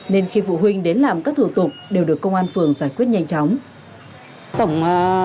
nên khi phụ huynh đến làm các thủ tục đều được công an phường giải quyết nhanh chóng